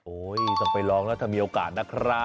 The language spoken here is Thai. ต้องไปลองแล้วถ้ามีโอกาสนะครับ